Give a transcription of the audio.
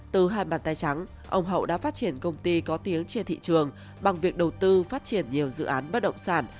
từ hai bàn tay trắng ông hậu đã phát triển công ty có tiếng trên thị trường bằng việc đầu tư phát triển nhiều dự án bất động sản